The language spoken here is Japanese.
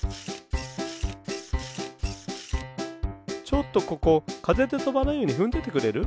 ちょっとここかぜでとばないようにふんでてくれる？